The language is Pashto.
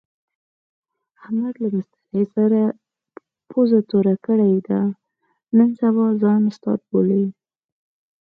احمد له مستري سره پوزه توره کړې ده، نن سبا ځان استاد بولي.